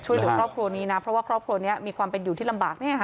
ช่วยเหลือครอบครัวนี้นะเพราะว่าครอบครัวนี้มีความเป็นอยู่ที่ลำบากเนี่ยค่ะ